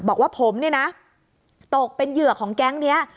บอกว่าผมเนี่ยนะตกเป็นเหยื่อของแก๊งนี้